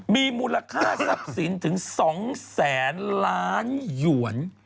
มีมูลค่าทรัพย์สินถึง๒แสนล้านหยวน